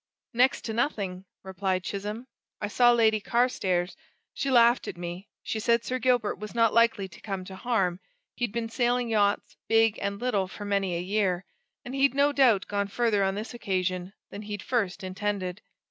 "Next to nothing," replied Chisholm. "I saw Lady Carstairs. She laughed at me. She said Sir Gilbert was not likely to come to harm he'd been sailing yachts, big and little, for many a year, and he'd no doubt gone further on this occasion than he'd first intended.